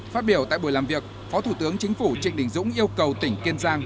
phát biểu tại buổi làm việc phó thủ tướng chính phủ trịnh đình dũng yêu cầu tỉnh kiên giang